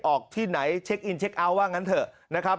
ออกที่ไหนเช็คอินเช็คเอาท์ว่างั้นเถอะนะครับ